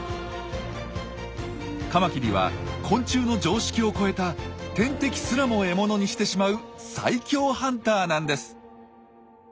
カマキリは昆虫の常識を超えた天敵すらも獲物にしてしまう最強ハンターなんです。